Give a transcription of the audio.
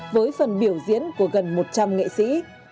với phần biểu diễn của gần một trăm linh nghệ sĩ